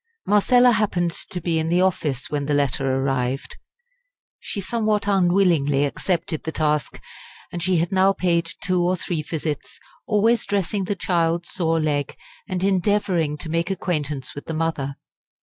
Marcella happened to be in the office when the letter arrived. She somewhat unwillingly accepted the task, and she had now paid two or three visits, always dressing the child's sore leg, and endeavouring to make acquaintance with the mother.